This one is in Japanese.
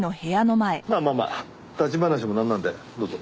まあまあまあ立ち話もなんなんでどうぞ。